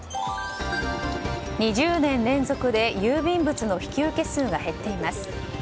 ２０年連続で郵便物の引き受け数が減っています。